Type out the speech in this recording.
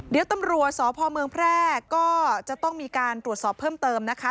เดี๋ยวตำรวจสพเมืองแพร่ก็จะต้องมีการตรวจสอบเพิ่มเติมนะคะ